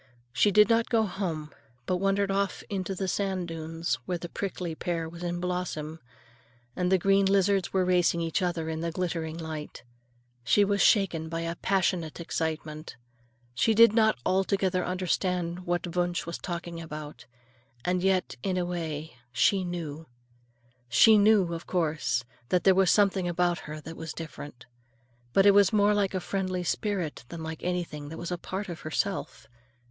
She did not go home, but wandered off into the sand dunes, where the prickly pear was in blossom and the green lizards were racing each other in the glittering light. She was shaken by a passionate excitement. She did not altogether understand what Wunsch was talking about; and yet, in a way she knew. She knew, of course, that there was something about her that was different. But it was more like a friendly spirit than like anything that was a part of herself.